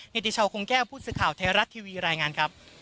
เนติชาวคงแก้พูดสิทธิ์ข่าวไทยรัตน์ทีวีรายงานครับ